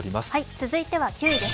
続いては９位です